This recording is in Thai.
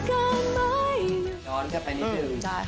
ได้ค่ะ